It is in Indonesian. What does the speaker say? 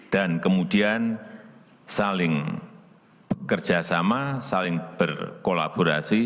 dan kemudian saling bekerjasama saling berkolaborasi